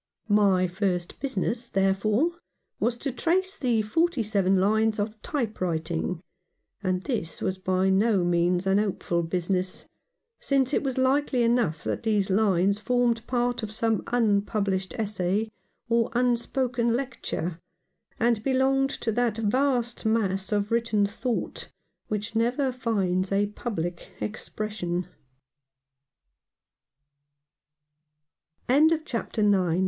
My first business, therefore, was to trace the forty seven lines of type writing ; and this was by no means a hopeful business, since it was likely enough that these lines formed part of some unpublished essay or unspoken lecture, and belonged to that vast mass of written thought which never finds a public expressio